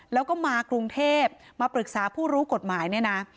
แล้วก็มากรุงเทพมาปรึกษาผู้รู้กฎหมายเนี่ยนะ